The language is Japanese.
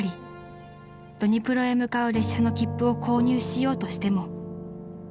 ［ドニプロへ向かう列車の切符を購入しようとしても］